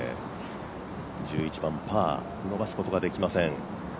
１１番、パー伸ばすことができません。